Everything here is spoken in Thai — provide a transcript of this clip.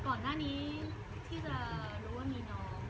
ก่อนหน้านี้ที่จะรู้ว่ามีน้อง